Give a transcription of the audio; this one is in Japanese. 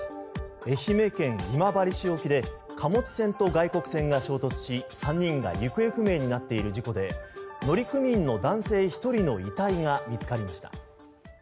愛媛県今治市沖で貨物船と外国船が衝突し３人が行方不明になっている事故で乗組員の男性１人の遺体が見つかりました。